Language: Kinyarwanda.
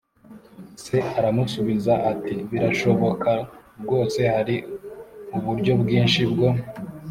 Se aramusubiza ati Birashoboka rwose Hari uburyo bwinshi bwo